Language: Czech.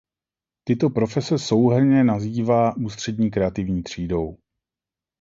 Tyto profese souhrnně nazývá ústřední kreativní třídou.